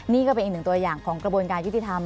นี่ก็เป็นอีกหนึ่งตัวอย่างของกระบวนการยุติธรรม